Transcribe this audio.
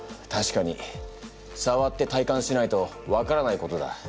たしかにさわって体感しないと分からないことだ。